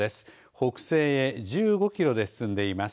北西へ１５キロで進んでいます。